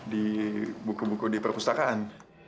di buku buku di perpustakaan